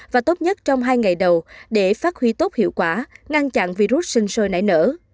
và tốt nhất trong hai ngày đầu để phát huy tốt hiệu quả ngăn chặn virus sinh sôi nảy nở